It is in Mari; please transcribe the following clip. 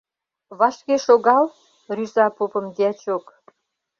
— Вашке шогал! — рӱза попым дьячок.